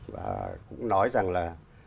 và cũng nói rằng là